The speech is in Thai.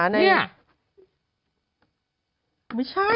นี้